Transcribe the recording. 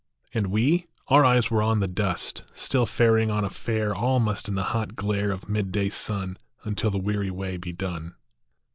And we ? Our eyes were on the dust \ Still faring on as fare all must In the hot glare of midday sun Until the weary way be done.